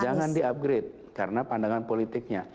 jangan di upgrade karena pandangan politiknya